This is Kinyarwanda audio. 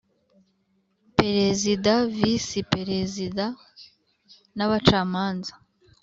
Perezida Visi Perezida n abacamanza